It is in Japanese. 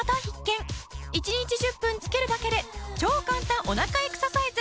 １日１０分つけるだけで超簡単お腹エクササイズ。